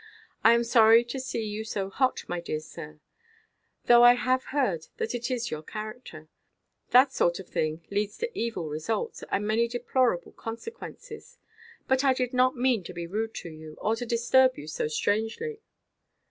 I am sorry to see you so hot, my dear sir; though I have heard that it is your character. That sort of thing leads to evil results, and many deplorable consequences. But I did not mean to be rude to you, or to disturb you so strangely."